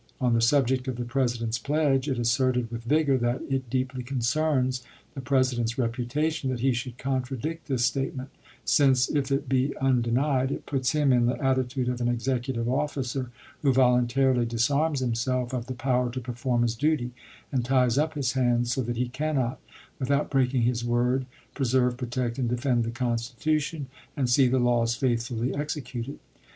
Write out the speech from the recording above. On the subject of the President's pledge it asserted with vigor that, "it deeply concerns the President's reputation that he should contradict this state ment, since if it be undenied it puts him in the attitude of an executive officer who voluntarily disarms himself of the power to perform his duty, and ties up his hands so that he cannot, without breaking his word, 'preserve, protect, and defend the Constitution and see the laws faithfully exe cuted.'"